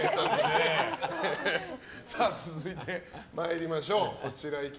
続いて、参りましょう。